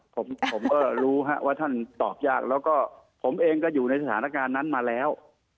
ผมผมก็รู้ว่าท่านตอบยากแล้วก็ผมเองก็อยู่ในสถานการณ์นั้นมาแล้ว